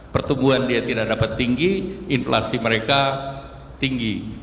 pertumbuhan dia tidak dapat tinggi inflasi mereka tinggi